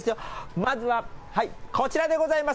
まずは、こちらでございます。